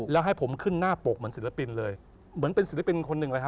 แล้วให้ผมขึ้นหน้าปกเหมือนศิลปินเลยเหมือนเป็นศิลปินคนหนึ่งเลยฮ